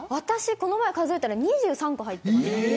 この前数えたら２３個入ってました。